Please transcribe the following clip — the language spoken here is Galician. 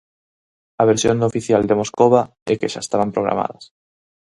A versión oficial de Moscova é que xa estaban programadas.